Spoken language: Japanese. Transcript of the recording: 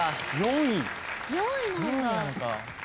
４位なんだ。